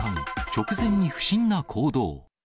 直前に不審な行動。